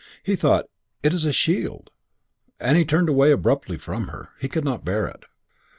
He thought, "It is a shield"; and he turned away abruptly from her. He could not bear it.